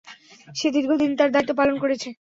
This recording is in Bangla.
সে দীর্ঘদিন তার দায়িত্ব পালন করেছে।